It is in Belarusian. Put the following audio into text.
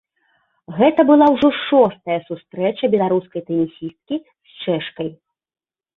Гэта была ўжо шостая сустрэча беларускай тэнісісткі з чэшкай.